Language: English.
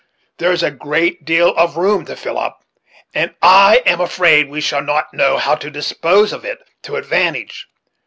There is a great deal of room to fill up, and I am afraid we shall not know how to dispose of it to advantage.